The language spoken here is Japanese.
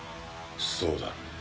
そうだ。